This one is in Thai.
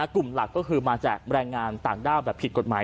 กลุ่มหลักก็คือมาจากแรงงานต่างด้าวแบบผิดกฎหมาย